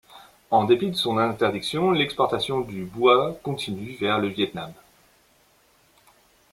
En dépit de son interdiction, l'exportation du bois continue vers le Viêt Nam.